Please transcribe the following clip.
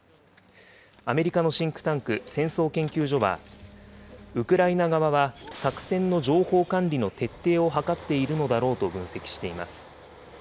アメリカのシンクタンク、戦争研究所は、ウクライナ側は作戦の情報管理の徹底を図っているのだろうと分析しています。